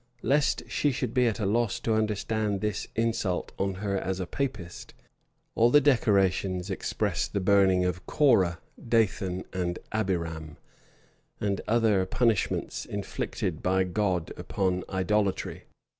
Lest she should be at a loss to understand this insult on her as a Papist, all the decorations expressed the burning of Corah, Dathan, and Abiram, and other punishments inflicted by God upon idolatry.